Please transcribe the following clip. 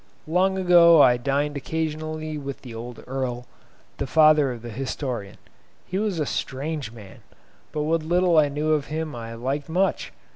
Long ago I dined occasionally with the old Earl, the father of the historian; he was a strange man, but what little I knew of him I liked much.